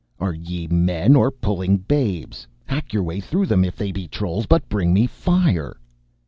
"Are ye men or puling babes? Hack yer way through them, if they be trolls, but bring me fire!"